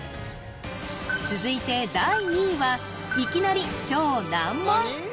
続いて第２位はいきなり超難問